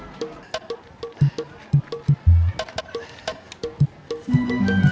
masak masak lebaran ya